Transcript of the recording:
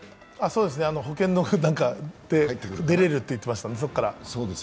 保険で出れるって言ってましたから、そこから。